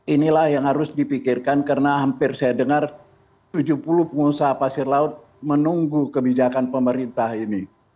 inilah yang harus dipikirkan karena hampir saya dengar tujuh puluh pengusaha pasir laut menunggu kebijakan pemerintah ini